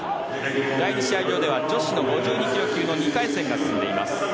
第２試合場では女子の５２ｋｇ級２回戦が進んでいます。